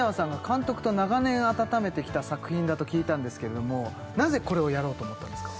監督と長年温めてきた作品だと聞いたんですけれどもなぜこれをやろうと思ったんですか？